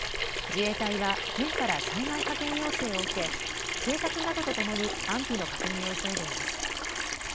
自衛隊は県から災害派遣要請を受け、警察などとともに安否の確認を急いでいます。